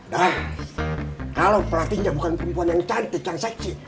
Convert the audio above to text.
dan kalau pelatihnya bukan perempuan yang cantik yang seksi